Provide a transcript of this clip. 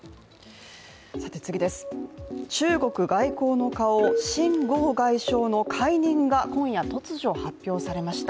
中国外交の顔、秦剛外相の解任が今夜、突如発表されました。